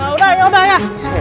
udah yaudah ya